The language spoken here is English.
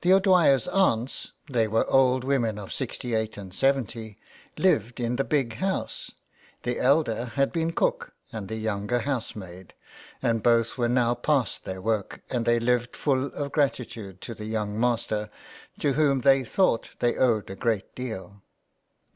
O'Dwyer's aunts, they were old women of sixty eight and seventy, lived in the Big House ; the elder had been cook, and younger housemaid, and both were now past their work, and they lived full of gratitude to the young master, to whom they thought they owed a great deal.